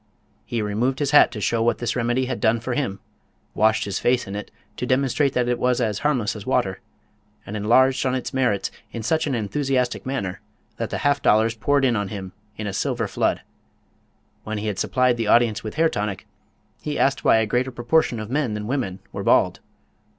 He removed his hat to show what this remedy had done for him, washed his face in it to demonstrate that it was as harmless as water, and enlarged on its merits in such an enthusiastic manner that the half dollars poured in on him in a silver flood. When he had supplied the audience with hair tonic, he asked why a greater proportion of men than women were bald.